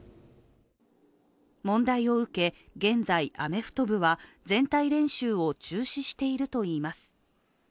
問題を受け、現在アメフト部は全体練習を中止しているといいます。